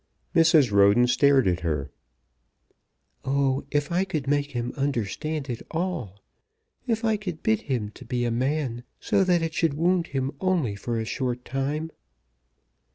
Mrs. Roden stared at her. "Oh, if I could make him understand it all! If I could bid him be a man, so that it should wound him only for a short time."